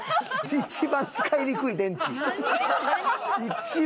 一番使いにくい電池。